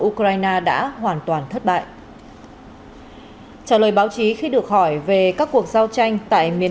ukraine đã hoàn toàn thất bại trả lời báo chí khi được hỏi về các cuộc giao tranh tại miền